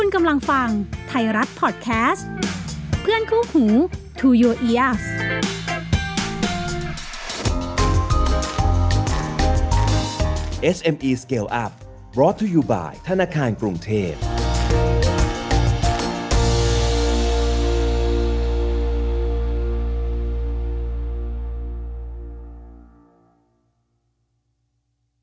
สวัสดีครับสวัสดีครับ